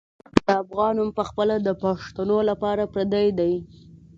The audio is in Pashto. د افغان نوم پخپله د پښتنو لپاره پردی دی.